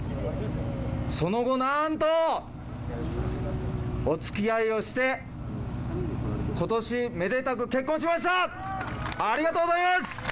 その後、なんとおつきあいをして、ことし、めでたく結婚しました。